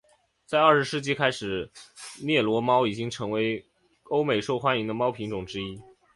在二十世纪开始暹罗猫已成为欧美受欢迎的猫品种之一。